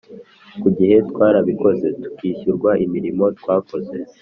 ku gihe Twarabikoze, tukishyurwa imirimo twakoze